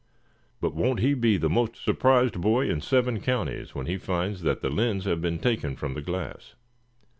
But won't he be the most surprised boy in seven counties when he finds that the lens have been taken from the glass?"